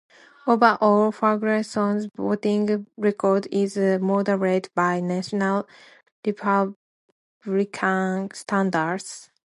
Overall, Ferguson's voting record is moderate by national Republican standards.